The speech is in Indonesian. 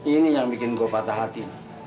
ini yang bikin gue patah hati